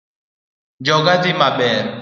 Joga dhi maber